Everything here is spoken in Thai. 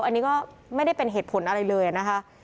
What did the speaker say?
อันนี้ก็ไม่ได้เป็นเหตุผลอะไรเลยนะคะ